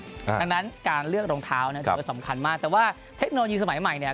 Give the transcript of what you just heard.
ดังนั้นการเลือกรองเท้าเนี่ยถือว่าสำคัญมากแต่ว่าเทคโนโลยีสมัยใหม่เนี่ย